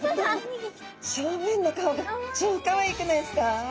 正面の顔が超かわいくないですか？